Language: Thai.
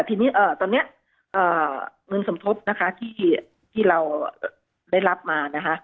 ทีนี้เงินสำทดที่เราได้รับมา